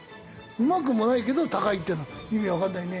うまくもないけど高いっていうのは意味わかんないね。